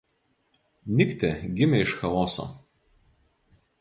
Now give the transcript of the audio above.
Niktė gimė iš Chaoso.